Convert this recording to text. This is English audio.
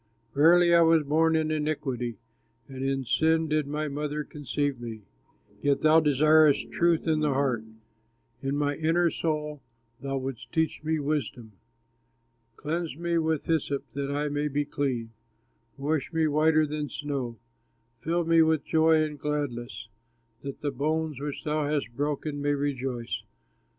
Verily I was born in iniquity, And in sin did my mother conceive me. Yet thou desirest truth in the heart, In my inner soul thou wouldst teach me wisdom. Cleanse me with hyssop that I may be clean, Wash me whiter than snow. Fill me with joy and gladness, That the bones which thou hast broken may rejoice.